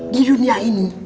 di dunia ini